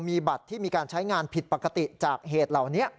มีบัตรที่มีการใช้งานผิดปกติจากเหตุเหล่านี้